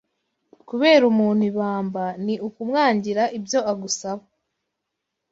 Kubera umuntu ibamba ni Kumwangira ibyo agusaba